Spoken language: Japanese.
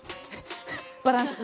バランス。